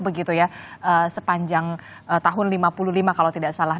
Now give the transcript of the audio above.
begitu ya sepanjang tahun lima puluh lima kalau tidak salah